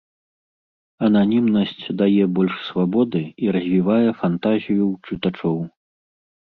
Ананімнасць дае больш свабоды і развівае фантазію ў чытачоў.